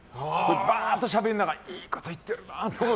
バーっとしゃべりながらいいこと言ってるなと。